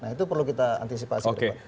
nah itu perlu kita antisipasi